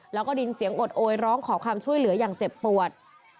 แล้วก็ดินเสียงอดโอยร้องขอความช่วยเหลืออย่างเจ็บปวด